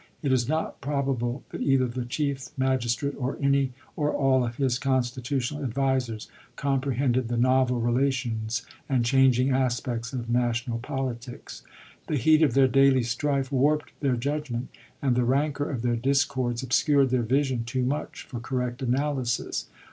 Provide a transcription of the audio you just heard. It is not probable that either the Chief Magistrate or any or all of his constitutional advisers comprehended the novel relations and changing aspects of national politics. The heat of their daily strife warped their judgment, and the rancor of their discords obscured their vision too much for correct analysis.